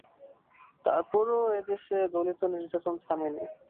তারপরও এ দেশে দলিত নির্যাতন থামেনি।